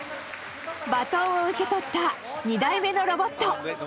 バトンを受け取った２台目のロボット。